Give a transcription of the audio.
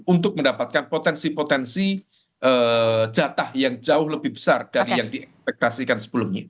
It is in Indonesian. untuk mendapatkan potensi potensi jatah yang jauh lebih besar dari yang diektasikan sebelumnya